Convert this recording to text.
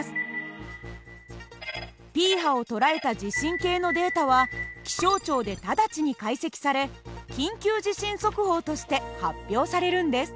Ｐ波を捉えた地震計のデータは気象庁で直ちに解析され緊急地震速報として発表されるんです。